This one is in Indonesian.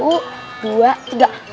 satu dua tiga